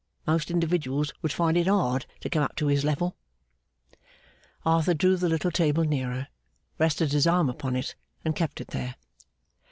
Most individuals would find it hard to come up to his level.' Arthur drew the little table nearer, rested his arm upon it, and kept it there.